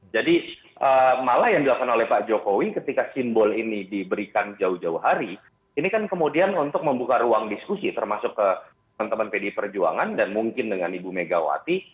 jadi malah yang dilakukan oleh pak jokowi ketika simbol ini diberikan jauh jauh hari ini kan kemudian untuk membuka ruang diskusi termasuk ke teman teman pdi perjuangan dan mungkin dengan ibu megawati